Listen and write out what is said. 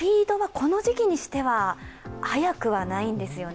この時期にしては速くはないんですよね。